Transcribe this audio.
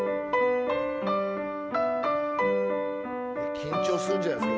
緊張するんじゃないですか